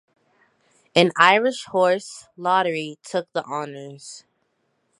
An Irish horse, Lottery, took the honours.